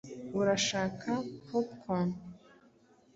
Urashaka popcorn?